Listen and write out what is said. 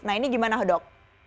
nah ini gimana dok